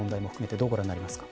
どうご覧になりますか。